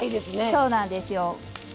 そうなんですよ。